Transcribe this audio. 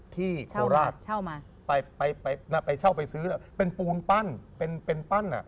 โคราชไปเช่าไปซื้อแล้วเป็นปูนปั้นเป็นปั้น